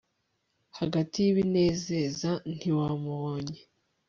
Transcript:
hagati y'ibinezeza ntiwamubonye